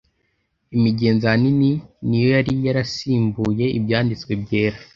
Imigenzo ahanini ni yo yari yarasimbuye Ibyanditswe byera.